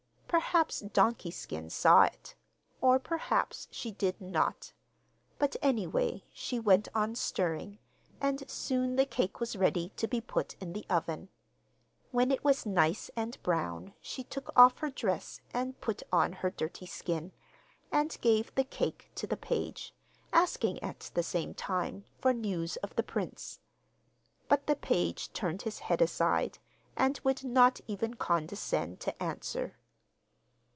Perhaps 'Donkey Skin' saw it, or perhaps she did not; but, any way, she went on stirring, and soon the cake was ready to be put in the oven. When it was nice and brown she took off her dress and put on her dirty skin, and gave the cake to the page, asking at the same time for news of the prince. But the page turned his head aside, and would not even condescend to answer.